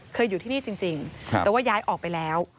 อยู่ที่นี่จริงแต่ว่าย้ายออกไปแล้ว